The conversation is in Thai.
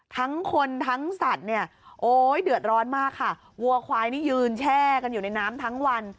ทั้งคนทั้งสัตว์เนี่ยโอ้ยเดือดร้อนมากค่ะวัวควายนี่ยืนแช่กันอยู่ในน้ำทั้งวัน